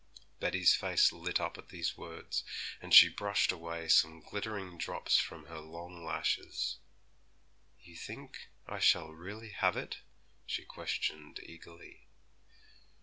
Betty's face lit up at these words, and she brushed away some glittering drops from her long lashes. 'You think I shall really have it?' she questioned eagerly.